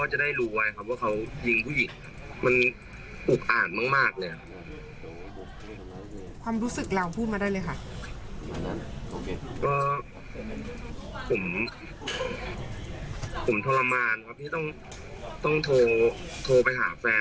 เห็นแฟนนอนโทรมานร้องไห้